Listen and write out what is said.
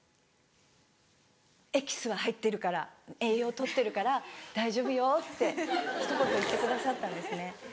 「エキスは入ってるから栄養取ってるから大丈夫よ」ってひと言言ってくださったんですね